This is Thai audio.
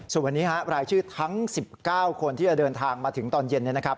ส่วนวันนี้รายชื่อทั้ง๑๙คนที่จะเดินทางมาถึงตอนเย็นเนี่ยนะครับ